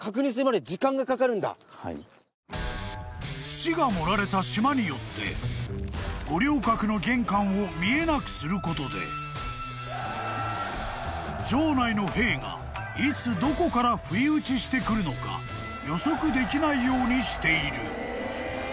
［土が盛られた島によって五稜郭の玄関を見えなくすることで城内の兵がいつどこから不意打ちしてくるのか予測できないようにしている］